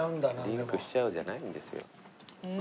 「リンクしちゃう」じゃないんですよ。